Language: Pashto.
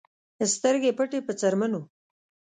سترګې پټې په څرمنو